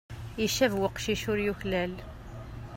Icab weqcic ur yuklal.